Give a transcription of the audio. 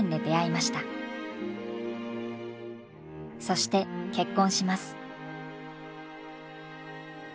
そして結婚します。